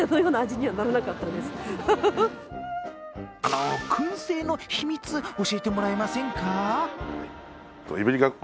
このくん製の秘密、教えてもらえませんか？